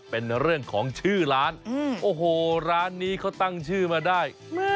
เป็นเรื่องของชื่อร้านโอ้โหร้านนี้เขาตั้งชื่อมาได้